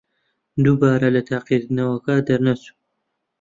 دووبارە لە تاقیکردنەوەکە دەرنەچوو.